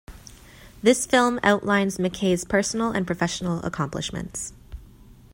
This film outlines McKay's personal and professional accomplishments.